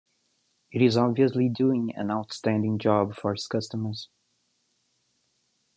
It is obviously doing an outstanding job for its customers.